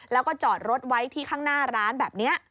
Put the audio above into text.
แล้วก็จอดรถไว้ที่ข้างหน้าร้านแบบนี้